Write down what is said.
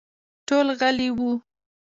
ټول غلي وو.